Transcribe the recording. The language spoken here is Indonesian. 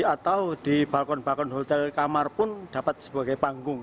atau di balkon balkon hotel kamar pun dapat sebagai panggung